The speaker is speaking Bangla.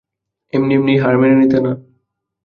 এমনি-এমনিই হার মেনে নিতে না।